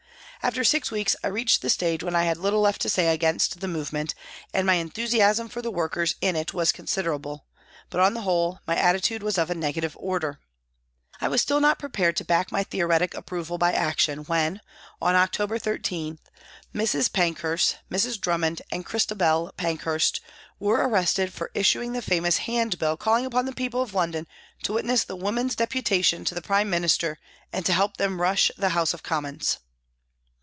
After six weeks I reached the stage when I had little left to say against the movement and my enthusiasm for the workers in it was considerable, but on the whole my attitude was of a negative order. I was still not prepared to back my theoretic approval by action when, on October 13, Mrs. MY CONVERSION 19 Pankhurst, Mrs. Drummond and Christabel Pank hurst were arrested for issuing the famous hand bill calling upon the people of London to witness the women's deputation to the Prime Minister and to help them " rush " the House of Commons.